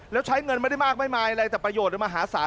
แล้วใช้เงินไม่ได้มากไม่มายอะไรแต่ประโยชน์มหาศาล